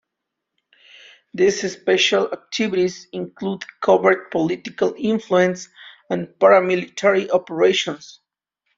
These special activities include covert political influence and paramilitary operations.